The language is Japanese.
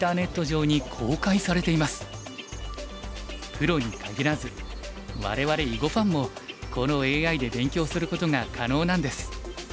プロにかぎらず我々囲碁ファンもこのＡＩで勉強することが可能なんです。